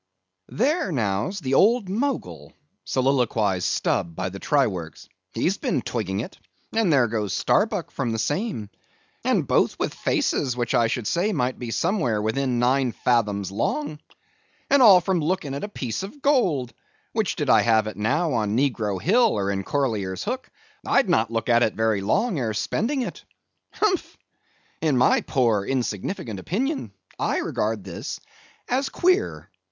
"There now's the old Mogul," soliloquized Stubb by the try works, "he's been twigging it; and there goes Starbuck from the same, and both with faces which I should say might be somewhere within nine fathoms long. And all from looking at a piece of gold, which did I have it now on Negro Hill or in Corlaer's Hook, I'd not look at it very long ere spending it. Humph! in my poor, insignificant opinion, I regard this as queer.